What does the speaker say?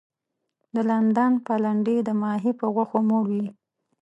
د لندن پلنډي د ماهي په غوښو موړ وي.